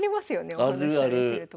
お話しされてる時。